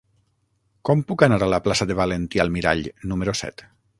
Com puc anar a la plaça de Valentí Almirall número set?